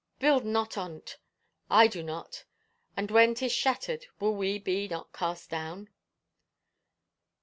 " Build not on't I do not. Then when 'tis shattered will we be not cast down."